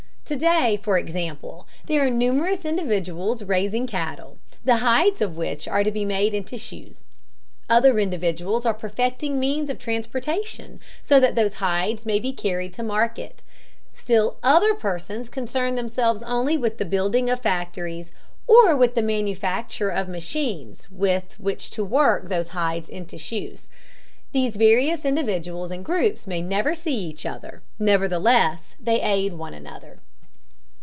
To day, for example, there are numerous individuals raising cattle, the hides of which are to be made into shoes; other individuals are perfecting means of transportation so that those hides may be carried to market; still other persons concern themselves only with the building of factories or with the manufacture of machines with which to work those hides into shoes. These various individuals and groups may never see each other, nevertheless they aid one another.